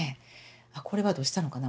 あっこれはどうしたのかな？